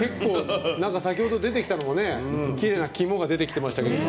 先ほど出てきたのもきれいな肝が出てきてましたけど。